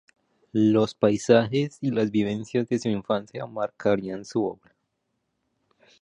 Los paisajes y las vivencias de su infancia marcarían su obra.